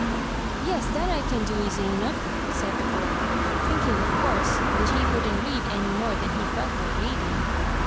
"Yes, that I can do easy enough," said the boy, thinking, of course, that he wouldn't read any more than he felt like reading.